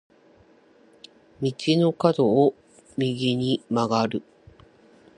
道の角を右に曲がる。